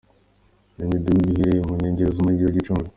Iyi Midugudu iherereye mu nkengero z’umujyi wa Gicumbi.